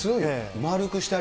丸くしたり